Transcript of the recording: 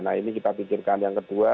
nah ini kita pikirkan yang kedua